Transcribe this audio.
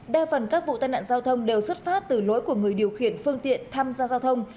đa phần các vụ tai nạn giao thông đều xuất phát từ lỗi của người điều khiển phương tiện tham gia giao thông